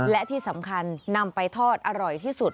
และที่สำคัญนำไปทอดอร่อยที่สุด